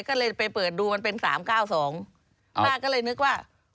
ก็เลยไปเปิดดูมันเป็น๓๙๒ป้าก็เลยนึกว่า